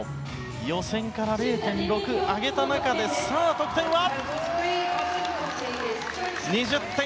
予選から０．６上げた中でさあ得点は。